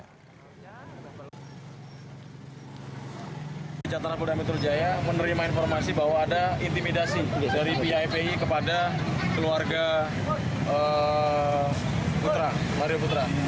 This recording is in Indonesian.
ketika di rumah teman teman yang di rumah menerima informasi bahwa ada intimidasi dari pipi kepada keluarga putra